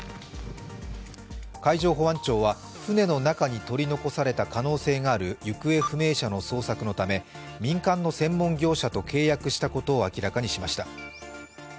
海上保安庁は船の中に取り残された可能性がある行方不明者の捜索のため民間の専門業者と契約したことを明らかにしました。